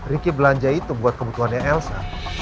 ricky belanja itu buat kebutuhannya elsa